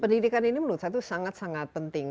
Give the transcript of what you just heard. pendidikan ini menurut saya itu sangat sangat penting